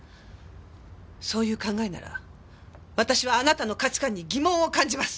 そういう考えなら私はあなたの価値観に疑問を感じます。